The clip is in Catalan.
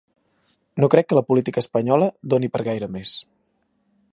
No crec que la política espanyola doni per gaire més.